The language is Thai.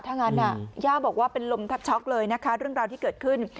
ถ้างั้นย่าบอกว่าเป็นลมแทบช็อกเลยนะคะเรื่องราวที่เกิดขึ้น